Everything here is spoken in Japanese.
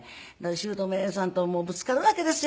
姑さんとぶつかるわけですよ。